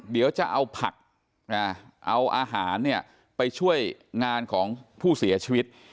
เดี๋ยวจะเอาผักเอาอาหารเนี่ยไปช่วยงานของผู้เสียชีวิต